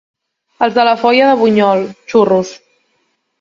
Els de la Foia de Bunyol, xurros.